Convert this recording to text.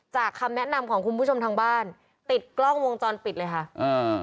คำแนะนำของคุณผู้ชมทางบ้านติดกล้องวงจรปิดเลยค่ะอ่า